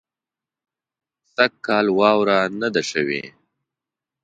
سږ کال واوره نۀ ده شوې